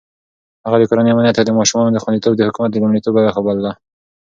هغه د کورنۍ امنيت او د ماشومانو خونديتوب د حکومت د لومړيتوبونو برخه بلله.